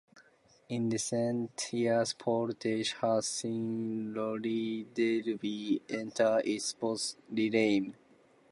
In recent years Portage has seen Roller Derby enter it's sports realm.